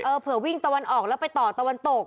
เผื่อวิ่งตะวันออกแล้วไปต่อตะวันตก